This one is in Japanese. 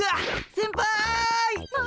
先輩！